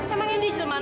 emang ini jerman